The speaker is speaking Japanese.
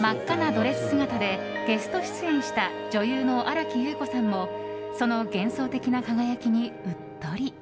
真っ赤なドレス姿でゲスト出演した女優の新木優子さんもその幻想的な輝きにうっとり。